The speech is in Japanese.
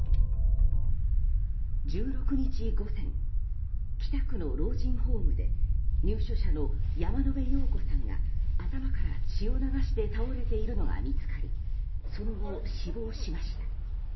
１６日午前、北区の老人ホームで入所者の山野辺陽子さんが頭から血を流して倒れているのが見つかりその後、死亡しました。